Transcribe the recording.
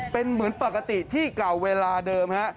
เป็นเหมือนปกติที่เก่าเวลาเดิมฮะ